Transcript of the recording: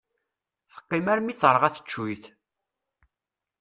Teqqim armi terɣa teccuyt.